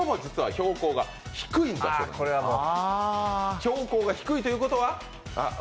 標高が低いということは？